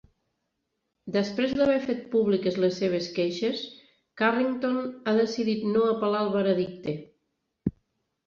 Després d'haver fet públiques les seves queixes, Carrington ha decidit no apel·lar el veredicte.